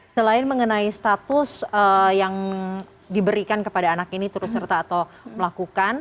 selain mengenai status yang diberikan kepada anak ini terus serta atau melakukan